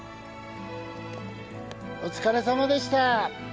お疲れさまでした。